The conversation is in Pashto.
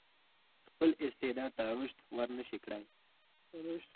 خپل استعداد ته رشد ورنه شي کړای.